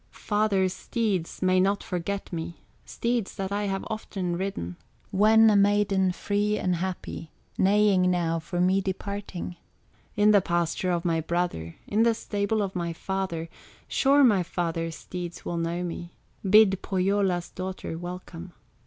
Father's steeds may not forget me, Steeds that I have often ridden, When a maiden free and happy, Neighing now for me departing, In the pasture of my brother, In the stable of my father; Sure my father's steeds will know me, Bid Pohyola's daughter welcome.